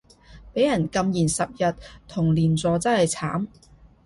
畀人禁言十日同連坐真係慘